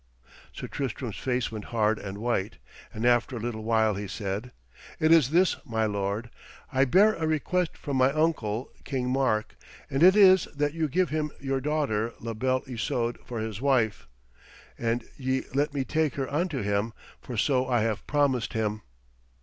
Sir Tristram's face went hard and white, and after a little while he said: 'It is this, my lord. I bear a request from my uncle, King Mark, and it is that you give him your daughter La Belle Isoude for his wife, and ye let me take her unto him, for so I have promised him.'